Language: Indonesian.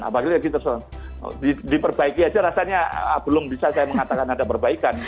apakah kita diperbaiki saja rasanya belum bisa saya mengatakan ada perbaikan